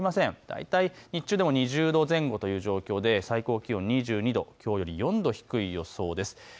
大体日中でも２０度前後という状況で最高気温２２度、きょうより４度低い予想です。